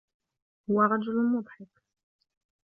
هو رجل مضحك.